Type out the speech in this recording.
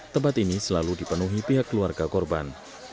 tempat ini selalu dipenuhi pihak keluarga korban